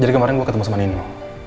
jadi kemarin gue ketemu sama nino